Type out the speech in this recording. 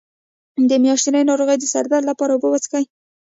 د میاشتنۍ ناروغۍ د سر درد لپاره اوبه وڅښئ